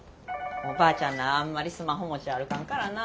おばあちゃんらあんまりスマホ持ち歩かんからな。